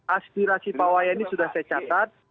aspirasi pak wayan ini sudah saya catat